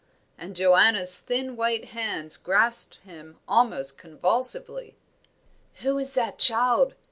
And Joanna's thin white hands grasped him almost convulsively. "Who is that child?"